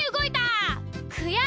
くやしい！